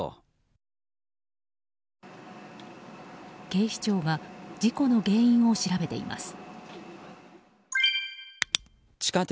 警視庁が事故の原因を調べています。